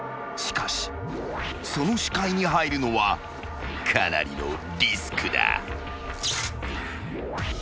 ［しかしその視界に入るのはかなりのリスクだ］